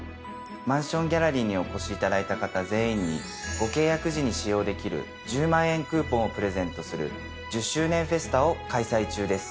マンションギャラリーにお越しいただいた方全員にご契約時に使用できる１０万円クーポンをプレゼントする１０周年フェスタを開催中です。